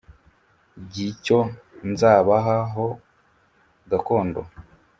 g icyo nzabaha ho gakondo